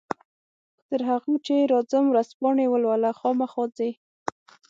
تر هغو چې راځم ورځپاڼې ولوله، خامخا ځې؟